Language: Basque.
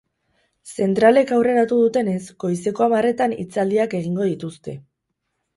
Zentralek aurreratu dutenez, goizeko hamarretan hitzaldiak egingo dituzte.